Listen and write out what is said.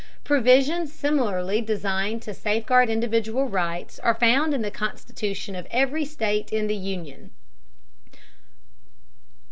Provisions similarly designed to safeguard individual rights are found in the constitution of every state in the Union.